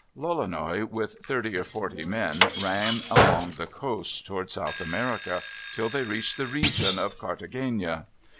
Lolonois, with thirty or forty men ran along the coast toward South America, till they reached the region of Carthagena.